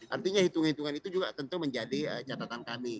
artinya hitung hitungan itu juga tentu menjadi catatan kami